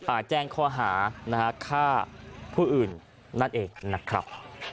แจ้งข้อหานะฮะฆ่าผู้อื่นนั่นเองนะครับ